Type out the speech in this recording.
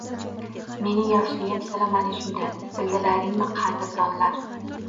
Mening yoshligim siri mana shunda, bildilaringmi, qadrdonlar